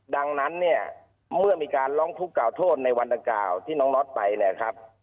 ดังนั้นเนี่ยเมื่อมีการร้องทุกข์กล่าวโทษในวันดังกล่าวที่น้องน็อตไปเนี่ยครับ